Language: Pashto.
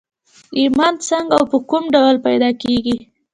ايمان څنګه او په کوم ډول پيدا کېږي؟